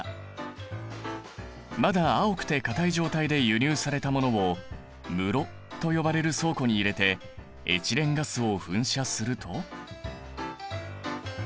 まだ青くてかたい状態で輸入されたものを室と呼ばれる倉庫に入れてエチレンガスを噴射すると。